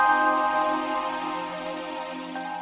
ya makasih ya